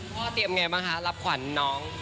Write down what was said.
พ่อเตรียมอย่างไรบ้างคะรับขวัญน้อง